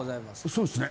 そうですね。